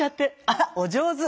あらお上手。